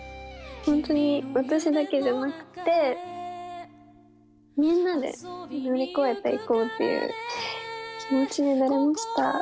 本当に私だけじゃなくてみんなで乗り越えていこうっていう気持ちになれました。